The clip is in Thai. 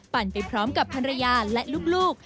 ไปพร้อมกับภรรยาและลูก